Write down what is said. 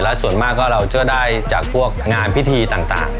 และส่วนมากก็เราจะได้จากพวกงานพิธีต่าง